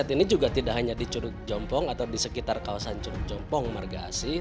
dan riset ini juga tidak hanya di curug jompong atau di sekitar kawasan curug jompong marga asih